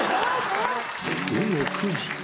午後９時。